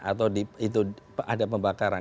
atau itu ada pembakaran